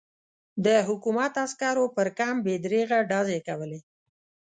د حکومت عسکرو پر کمپ بې دریغه ډزې کولې.